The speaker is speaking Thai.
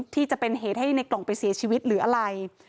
ที่จะเป็นเหตุให้ในกล่องไปเสียชีวิตหรืออะไร